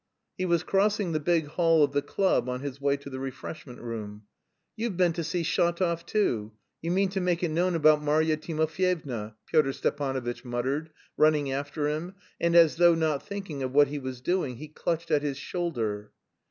He was crossing the big hall of the club on his way to the refreshment room. "You've been to see Shatov too.... You mean to make it known about Marya Timofyevna," Pyotr Stepanovitch muttered, running after him, and, as though not thinking of what he was doing he clutched at his shoulder.